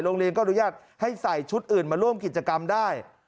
โรงเรียนฐกส่งสัตว์เข้าที่แล้วชุดอื่นมาร่วมกิจกรรมได้